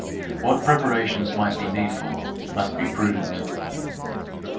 What preparations might be needful, must be prudent.